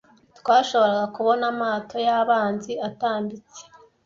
Twashoboraga kubona amato y'abanzi atambitse.